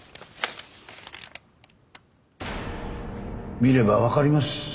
見れば分かります。